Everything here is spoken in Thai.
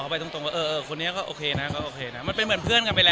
ไม่ถึง